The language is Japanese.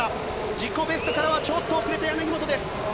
自己ベストからはちょっと遅れて、柳本です。